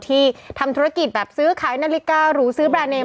ที่ทำธุรกิจแบบซื้อขายนาฬิการูซื้อแบรนเนม